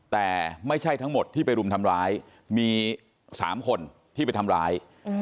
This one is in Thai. แต่ไม่ใช่ทั้งหมดที่ไปรุมทำร้ายมี๓คนที่ไปทำร้าย